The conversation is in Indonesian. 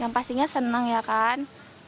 yang pastinya senang ya kan